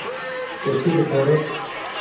Te kê diparast?